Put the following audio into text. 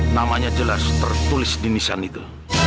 namanya jelas tertulis di nisan itu